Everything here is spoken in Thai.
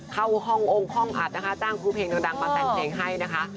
เข้าห้ององค์ห้องอัดนะคะจ้างครูเพลงดังมาแต่งเพลงให้นะคะ